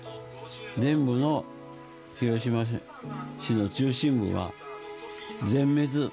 全部の広島市の中心部は全滅。